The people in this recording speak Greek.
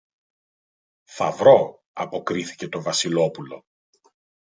Θα βρω, αποκρίθηκε το Βασιλόπουλο.